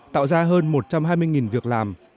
với một trăm hai mươi việc làm